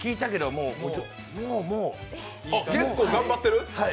結構頑張ってる？